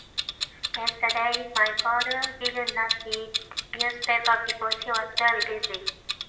Yesterday my father did not read newspapers because he was very busy.